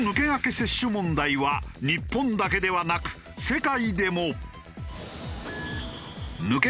接種問題は日本だけではなく世界でも。